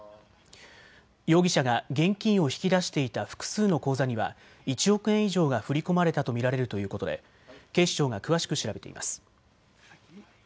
容疑者が現金を引き出していた複数の口座には１億円以上が振り込まれたと見られるということで警視庁が詳しく調べています。